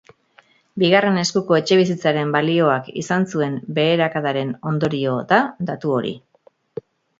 Bigarren eskuko etxebizitzaren balioak izan zuen beherakadaren ondorio da datu hori.